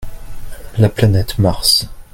La planète Mars.